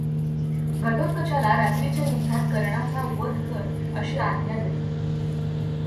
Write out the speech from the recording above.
घटोत्कचाला रात्रीच्या युध्दात कर्णाचा वध कर अशी आज्ञा देतो.